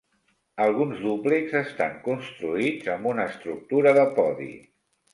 Alguns dúplexs estan construïts amb una estructura de podi.